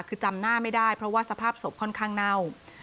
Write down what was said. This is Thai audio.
คือจำหน้าไม่ได้เพราะว่าสภาพศพค่อนข้างเน่า